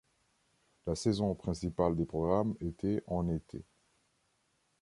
La saison principale des programmes était en été.